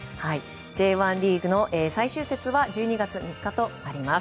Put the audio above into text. Ｊ１リーグの最終節は１２月３日となります。